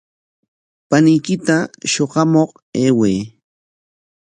Paniykita shuqamuq ayway.